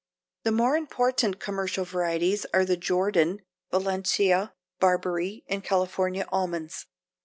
The more important commercial varieties are the Jordan, Valencia, Barbary and California almonds.